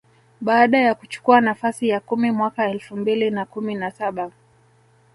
baada ya kuchukua nafasi ya kumi mwaka elfu mbili na kumi na saba